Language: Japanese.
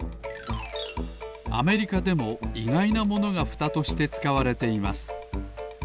アメリカでもいがいなものがふたとしてつかわれています。